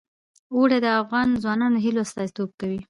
اوړي د افغان ځوانانو د هیلو استازیتوب کوي.